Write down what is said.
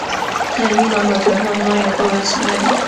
在阴囊中的疼痛也归为此类。